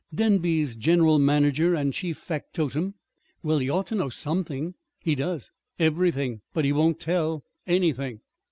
"Denby's general manager and chief factotum." "Well, he ought to know something." "He does everything. But he won't tell anything."